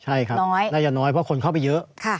ใช่ครับละยะน้อยเพราะคนเข้าไปเยอะ